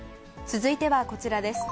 続いてはこちらです。